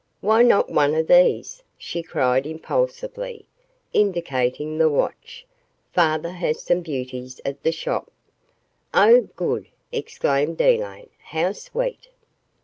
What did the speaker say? "Why not one of these?" she cried impulsively, indicating the watch. "Father has some beauties at the shop." "Oh, good," exclaimed Elaine, "how sweet!"